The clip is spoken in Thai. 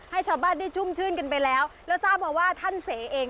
ให้ชาวบ้านได้ชุ่มชื่นกันไปแล้วแล้วทราบมาว่าท่านเสเอง